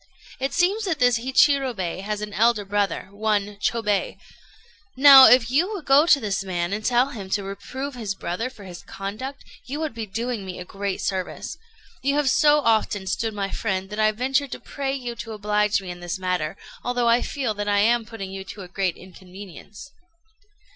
It seems that this Hichirobei has an elder brother one Chôbei; now, if you would go to this man and tell him to reprove his brother for his conduct, you would be doing me a great service. You have so often stood my friend, that I venture to pray you to oblige me in this matter, although I feel that I am putting you to great inconvenience."